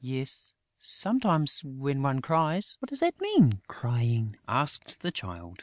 "Yes, sometimes, when one cries." "What does that mean, crying?" asked the Child.